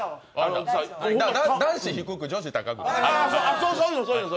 男子低く、女子高く。